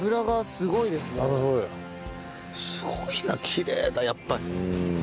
すごいなきれいだやっぱり。